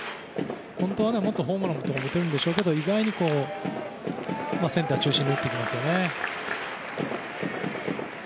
本当はもっとホームランを打てるんでしょうけど意外にセンター中心に打ってきますよね。